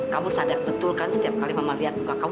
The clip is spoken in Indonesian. kamu sadar betul kan setiap kali mama lihat muka kamu